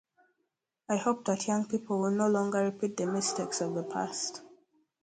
I hope that young people will no longer repeat the mistakes of the past.